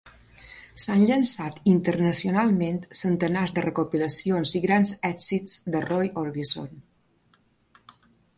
S'han llançat internacionalment centenars de recopilacions i grans èxits de Roy Orbison.